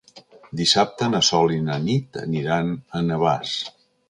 Dissabte na Sol i na Nit aniran a Navàs.